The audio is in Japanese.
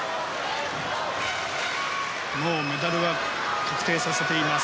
もうメダルは確定させています。